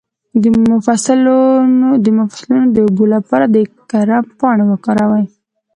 د مفصلونو د اوبو لپاره د کرم پاڼې وکاروئ